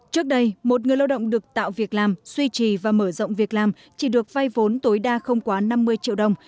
trước đây một người lao động được tạo việc làm suy trì và mở rộng việc làm chỉ được vay vốn tối đa không quá năm mươi triệu đồng